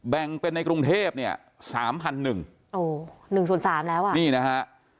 แบ่งเป็นในกรุงเทพเนี่ยสามพันหนึ่งโอ้หนึ่งส่วนสามแล้วอ่ะนี่นะฮะ